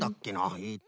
えっと。